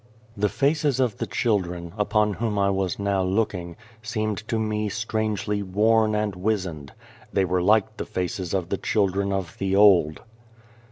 The faces of the children, upon whom I was now looking, seemed to me strangely worn and wizened. They were like the faces of the children of the old.